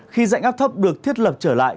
khi dạnh áp thấp được thiết lập trở lại